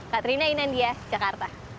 katrina inandia jakarta